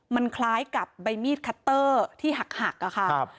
มันคล้ายกับใบมีดคัตเตอร์ที่หักอะค่ะ